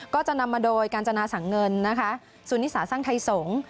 ก็จะนำมาโดยกาญจนาศังเงินสูญศาสตร์สร้างไทยสงศ์